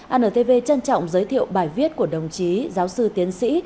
antv trân trọng giới thiệu bài viết của đồng chí giáo sư tiến sĩ